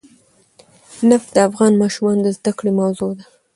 نفت د افغان ماشومانو د زده کړې موضوع ده.